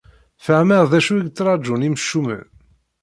Fehmeɣ d acu i yettraǧun imcumen.